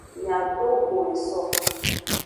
Miadogo eso.